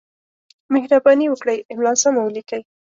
مهرباني وکړئ! املا سمه ولیکئ!